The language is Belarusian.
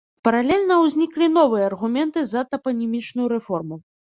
Паралельна ўзніклі новыя аргументы за тапанімічную рэформу.